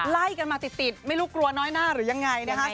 ไล่กันมาติดไม่รู้กลัวน้อยหน้าหรือยังไงนะคะ